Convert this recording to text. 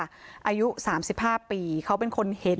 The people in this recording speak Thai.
อายุ๓๕ปีเขาเป็นคนเห็น